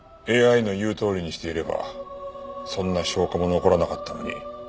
ＡＩの言うとおりにしていればそんな証拠も残らなかったのに。